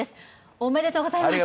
ありがとうございます。